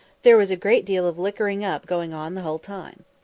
There was a great deal of "liquoring up" going on the whole time.